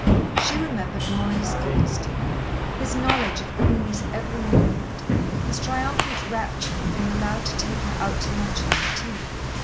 She remembered Maurice Goldstein, his knowledge of Queenie's every movement, his triumphant rapture at being allowed to take her out to luncheon or tea.